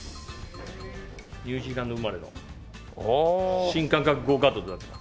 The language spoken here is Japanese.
ニュージーランド生まれの新感覚ゴーカートになってます。